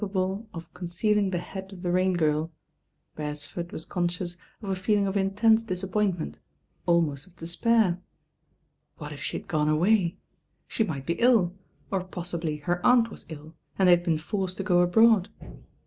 M^ of conceahng the head of the Rain^iri, Ber«f„d wa. con«.ous of a feeUng of intense di«ippointme"f ahnost of despair. What if she had gone W She might be ill. or po.«bly her aunt las ill ^'J th^ had be«, forced to go abroad.